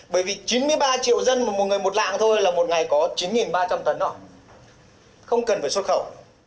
bởi vì chín mươi ba triệu dân một người một lạng thôi là một ngày có chín ba trăm linh tấn đó không cần phải xuất khẩu